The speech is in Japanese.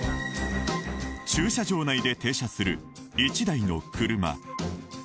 駐車場内で停車する１台の車